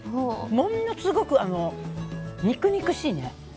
ものすごく肉々しいね。